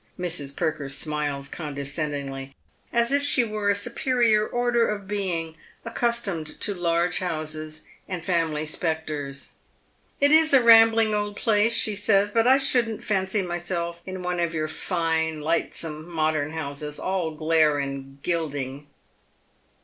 Mrs. Perker smiles condescendingly, as if she were a superior order of being, accustomed to large houses and family spectres. " It is a rambling old place," she says, " but I shouldn't fancy myself in one of your fine lightsome modern houses, all glare and gilding."